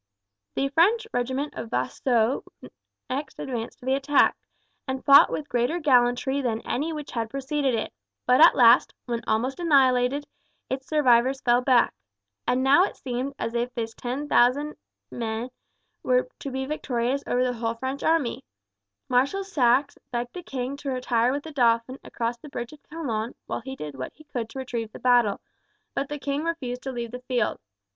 The French regiment of Vaisseaux next advanced to the attack, and fought with greater gallantry than any which had preceded it; but at last, when almost annihilated, its survivors fell back. And now it seemed as if this 10,000 men were to be victorious over the whole French army. Marshal Saxe begged the king to retire with the dauphin across the bridge of Calonne while he did what he could to retrieve the battle, but the king refused to leave the field.